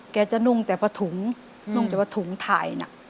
แกจะนุ่งแต่พอถุงนุ่งแต่ว่าถุงถ่ายน่ะ